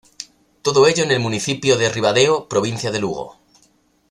Todo ello en el municipio de Ribadeo, provincia de Lugo.